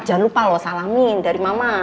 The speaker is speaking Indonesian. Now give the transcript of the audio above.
jangan lupa lo salamin dari mama